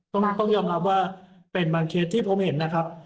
มากต้องยอมรับว่าเป็นบางเคสที่ผมเห็นนะครับ